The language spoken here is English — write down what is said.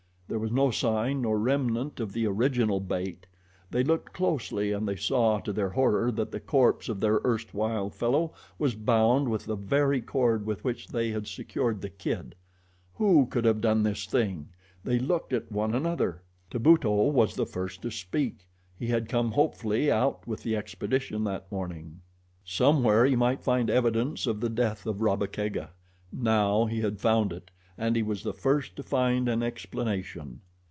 There was no sign nor remnant of the original bait. They looked closely and they saw, to their horror, that the corpse of their erstwhile fellow was bound with the very cord with which they had secured the kid. Who could have done this thing? They looked at one another. Tubuto was the first to speak. He had come hopefully out with the expedition that morning. Somewhere he might find evidence of the death of Rabba Kega. Now he had found it, and he was the first to find an explanation.